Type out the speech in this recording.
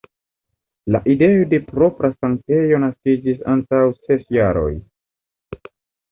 La ideo de propra sanktejo naskiĝis antaŭ ses jaroj.